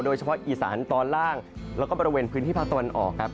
โดยเฉพาะอีสานตอนล่างแล้วก็บริเวณพื้นที่ภาคตะวันออกครับ